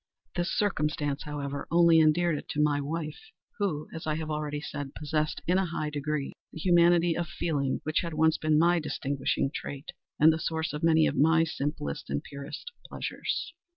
This circumstance, however, only endeared it to my wife, who, as I have already said, possessed, in a high degree, that humanity of feeling which had once been my distinguishing trait, and the source of many of my simplest and purest pleasures.